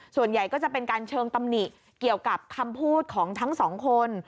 ส่วนใหญ่ก็จะเป็นการเชิงตำหนิเกี่ยวกับคำพูดของทั้งสองคน